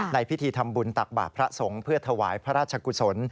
ในพิธีทำบุญตักบาทพระสงฆ์เพื่อถวายพระราชกุศล